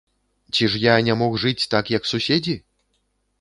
Ці ж я не мог жыць так, як суседзі?